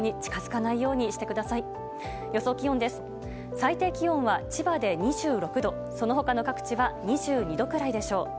最低気温は千葉で２６度その他の各地は２２度くらいでしょう。